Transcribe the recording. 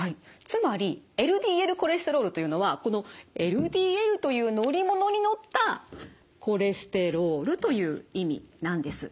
つまりＬＤＬコレステロールというのはこのＬＤＬという乗り物に乗ったコレステロールという意味なんです。